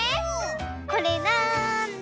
これなんだ？